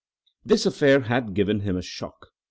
This affair had given him a shock.